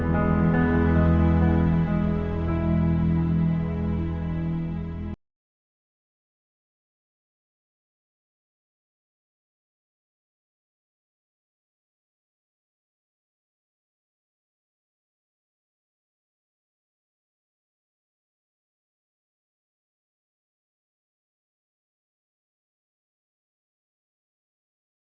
semoga beruntung saya menerima ingin gospel untuk saat kehidupan